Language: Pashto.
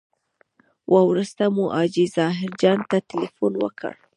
وروسته مو حاجي ظاهر جان ته تیلفون وکړ.